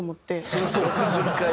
そりゃそうや。